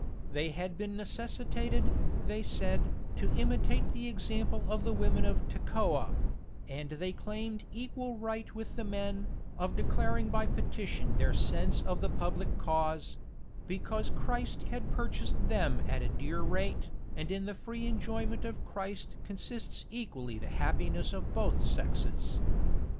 They had been necessitated, they said, to imitate the example of the women of Tekoah: and they claimed equal right with the men, of declaring by petition their sense of the public cause; because Christ had purchased them at as dear a rate, and in the free enjoyment of Christ consists equally the happiness of both sexes.